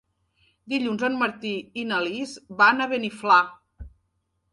Dilluns en Martí i na Lis van a Beniflà.